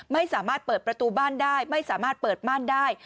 ไม่สามารถเปิดประตูบ้านได้ไม่สามารถเปิดม่านได้